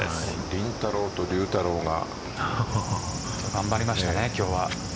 麟太朗と竜太郎が頑張りましたね、今日は。